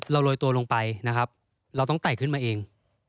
โรยตัวลงไปนะครับเราต้องไต่ขึ้นมาเอง